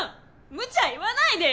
むちゃ言わないでよ。